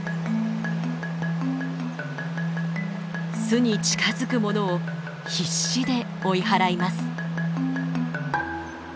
巣に近づくものを必死で追い払います。